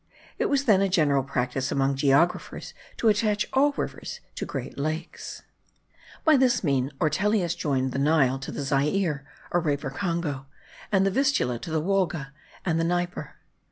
It was then a general practice among geographers to attach all rivers to great lakes. By this means Ortelius joined the Nile to the Zaire or Rio Congo, and the Vistula to the Wolga and the Dnieper.